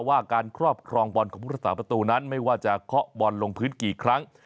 ว่าการครอบครองบอลของพุทธศาสประตูนั้นไม่ว่าจะเคาะบอลลงพื้นกี่ครั้ง